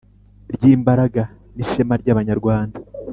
ry imbaraga n ishema ry Abanyarwanda